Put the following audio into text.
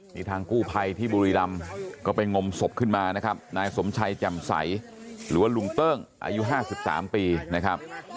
นี่ทางกู้ภัยที่บุรีรำก็ไปงมศพขึ้นมานะครับนายสมชัยแจ่มใสหรือว่าลุงเติ้งอายุ๕๓ปีนะครับ